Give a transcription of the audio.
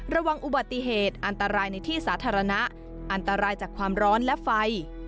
ระวังอุบัติเหตุอันตรายในที่สาธารณะอันตรายจากความร้อนและไฟ